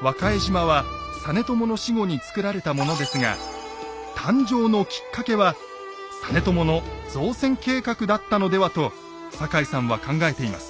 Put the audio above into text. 和賀江島は実朝の死後に造られたものですが誕生のきっかけは実朝の造船計画だったのではと坂井さんは考えています。